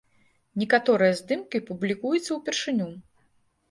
Некаторыя здымкі публікуюцца ўпершыню.